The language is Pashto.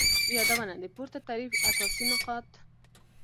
یادونه : د پورته تعریف اساسی نقاط